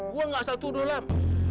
gua gak asal tuduh lam